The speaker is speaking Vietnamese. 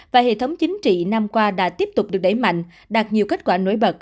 và hệ thống chính trị năm qua đã tiếp tục được đẩy mạnh đạt nhiều kết quả nổi bật